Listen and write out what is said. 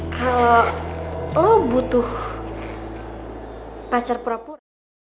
kalo lu butuh pacar pura pura